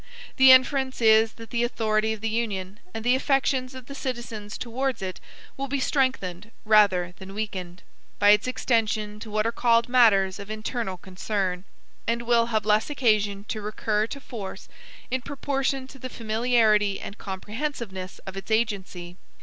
The inference is, that the authority of the Union, and the affections of the citizens towards it, will be strengthened, rather than weakened, by its extension to what are called matters of internal concern; and will have less occasion to recur to force, in proportion to the familiarity and comprehensiveness of its agency.